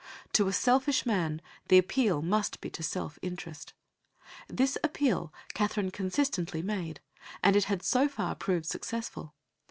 To a selfish man the appeal must be to self interest. This appeal Katherine consistently made and it had so far proved successful.